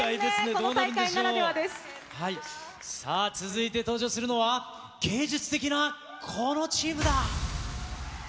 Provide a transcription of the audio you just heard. この大会なさあ、続いて登場するのは、芸術的なこのチームだ。